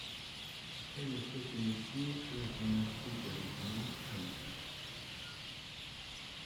Elle s’est initiée à la gymnastique rythmée à huit ans.